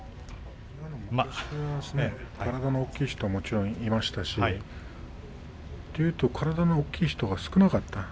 体の大きい人もいましたしというと、体の大きい人が少なかった。